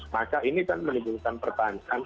maka ini kan melibatkan pertahanan